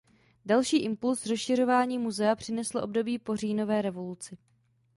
Další impuls rozšiřování muzea přineslo období po Říjnové revoluci.